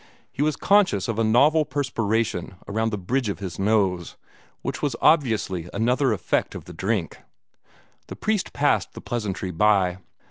He was conscious of a novel perspiration around the bridge of his nose, which was obviously another effect of the drink. The priest passed the pleasantry by.